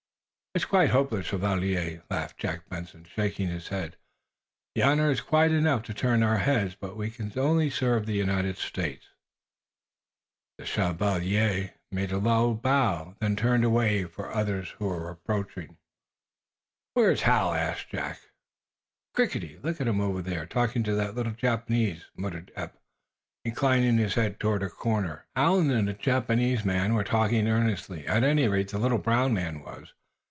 "It is quite hopeless, Chevalier," laughed Jack Benson, shaking his head. "The honor is quite enough to turn our heads, but we can serve only the United States." The Chevalier d'Ouray made a low bow, then turned away, for others were approaching. "Where is Hal?" asked Jack. "Crickety! Look at him over there, talking to that little Japanese," muttered Eph, inclining his head toward a corner. Hal and a Japanese were talking earnestly. At any rate, the little brown man was.